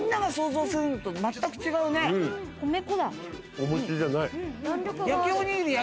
お餅じゃない。